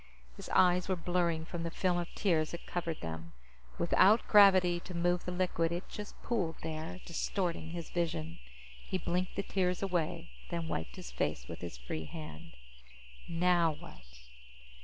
His eyes were blurring from the film of tears that covered them; without gravity to move the liquid, it just pooled there, distorting his vision. He blinked the tears away, then wiped his face with his free hand. Now what?